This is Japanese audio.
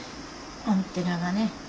アンテナがね。